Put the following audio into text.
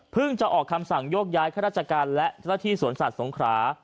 เพิ่งจะออกคำสั่งโยกย้ายข้าราชการและทศาสตร์สนสัตว์สงขรา